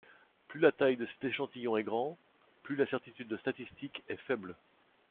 Plus la taille de cet échantillon est grand, plus l’incertitude statistique est faible.